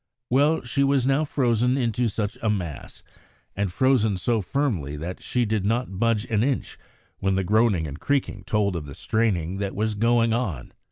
Well, she was now frozen into such a mass, and frozen so firmly that she did not budge an inch when the groaning and creaking told of the straining that was going on.